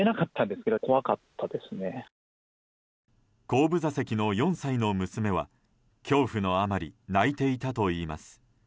後部座席の４歳の娘は恐怖のあまり泣いていたといいます。